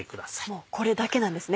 もうこれだけなんですね。